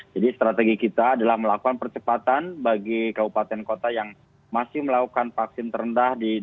jadi strategi kita adalah melakukan percepatan bagi kabupaten kota yang masih melakukan vaksin terendah